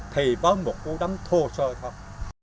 thì võ một cú đấm thô sơ thôi